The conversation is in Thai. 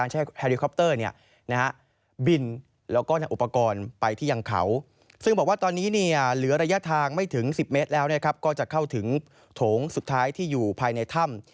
เหลือระยะทางไม่ถึง๑๐เมตรแล้วก็จะเข้าถึงโถงสุดท้ายที่อยู่ภายในถ้ำ